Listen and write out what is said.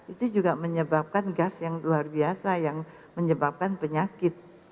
itu juga menyebabkan gas yang luar biasa yang menyebabkan penyakit